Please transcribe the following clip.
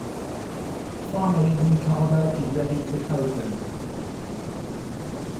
Finally "The Mikado" is ready to open.